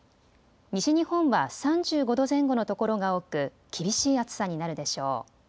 西日本は３５度前後の所が多く厳しい暑さになるでしょう。